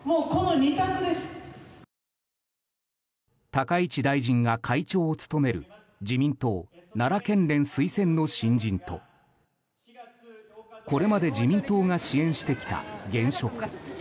高市大臣が会長を務める自民党奈良県連推薦の新人とこれまで自民党が支援してきた現職。